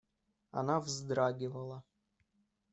Она вздрагивала.